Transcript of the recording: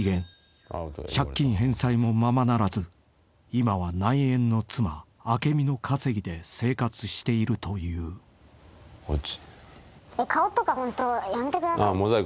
［借金返済もままならず今は内縁の妻アケミの稼ぎで生活しているという］こっち。